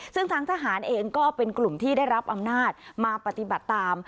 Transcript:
ซึ่งทางทหารเองก็เป็นกลุ่มที่ได้รับอำนาจมาปฏิบัติตาม